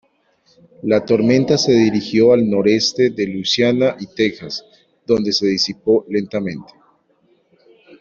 La tormenta se dirigió al noroeste de Luisiana y Texas, donde se disipó lentamente.